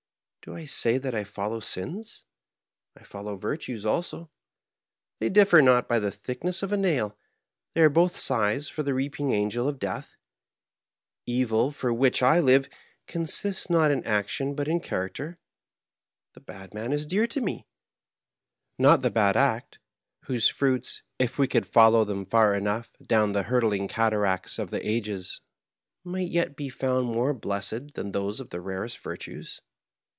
Do I say that I follow sins ? I follow virtues also ; they differ not by the thickness of a nail, they are both scythes for the reaping angel of death. Evil, for which I live, consists not in action but in character. The bad man is dear to me ; not the bad act, whose fruits, if we could follow them far enough down the hurtling cataract of the ages, might yet be found more blessed than those of the rarest virtues.